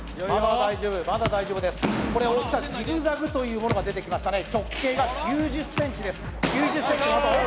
まだ大丈夫です、これ、ジグザグというものが出てきましたね、直径が９０ｃｍです。